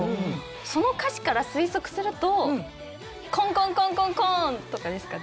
その歌詞から推測すると「コンコンコンコンコン」とかですかね？